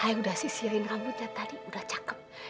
ayo udah sisirin rambutnya tadi udah cakep